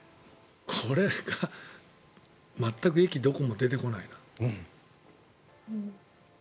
これは全く駅がどこも出てこないな。